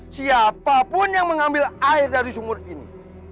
siapapun yang mengambil air dari sumur ini